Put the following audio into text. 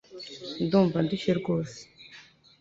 Ndumva ndushye rwose